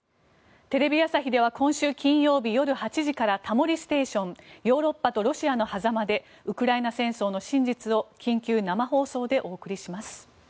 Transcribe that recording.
テレビ朝日では今週金曜日夜８時から「タモリステーション欧州とロシアの狭間でウクライナ戦争の真実」を緊急生放送でお送りします。